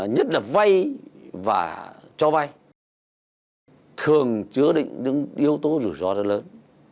nhất là vay và cho vay thường chứa định những yếu tố rủi ro rất lớn